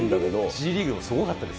１次リーグもすごかったです